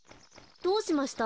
どうしました？